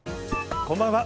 こんばんは。